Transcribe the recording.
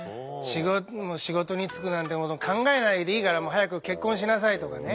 「仕事に就くなんて考えないでいいから早く結婚しなさい」とかね。